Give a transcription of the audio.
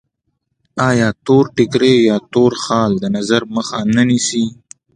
آیا تور ټیکری یا تور خال د نظر مخه نه نیسي؟